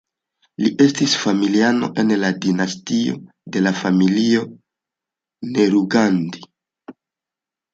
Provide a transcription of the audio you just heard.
Li estis familiano en la dinastio de la Familio Nehru-Gandhi.